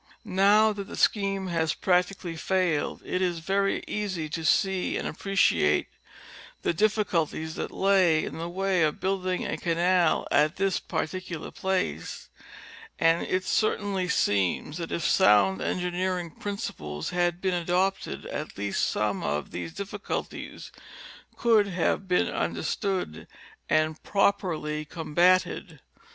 Now that the scheme has practicall}^ failed it is very easy to see and appreciate the difficulties that lay in the way of building a canal at this particular place ; and it certainly seems that if sound engineering principles had been adopted at least some of these difficulties could have been understood and properly com batted.